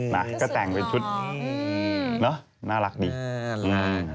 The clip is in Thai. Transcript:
มันก็แต่งไปชุดเนอะน่ารักดีสุดหลอดอืมเออน่ารัก